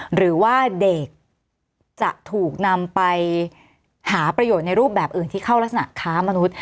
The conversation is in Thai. หรือว่าเด็กจะถูกนำไปหาประโยชน์ในรูปแบบอื่นที่เข้ารักษณะค้ามนุษย